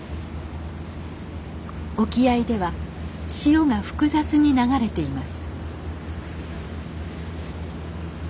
沖合では潮が複雑に流れています。